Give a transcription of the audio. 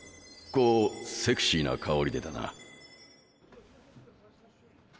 こうセクシーな香りでだな。